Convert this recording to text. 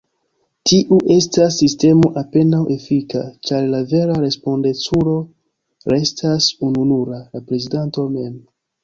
Tiu estas sistemo apenaŭ efika, ĉar la vera respondeculo restas ununura: la prezidanto mem.